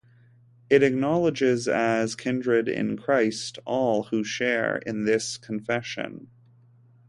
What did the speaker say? It acknowledges as kindred in Christ all who share in this confession.